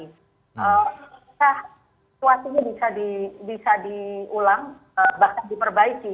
apakah situasinya bisa diulang bahkan diperbaiki